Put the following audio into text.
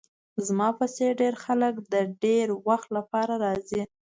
زما په څیر ډیر خلک د ډیر وخت لپاره راځي